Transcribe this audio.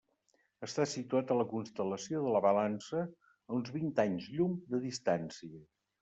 Està situat a la constel·lació de la Balança, a uns vint anys-llum de distància.